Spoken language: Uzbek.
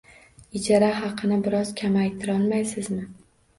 Ijara haqini biroz kamaytirolmaysizmi?